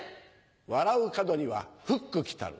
笑う門にはフック来たる。